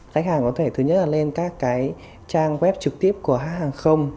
khách hàng có thể thứ nhất là lên các cái trang web trực tiếp của hãng hàng không